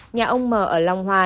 nhà ông m ở long hoa